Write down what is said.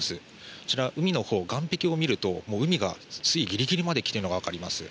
こちら海のほう、岸壁を見ると海が水位ギリギリまで来ているのが分かります。